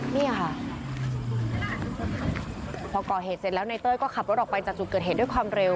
นี่ค่ะพอก่อเหตุเสร็จแล้วในเต้ยก็ขับรถออกไปจากจุดเกิดเหตุด้วยความเร็ว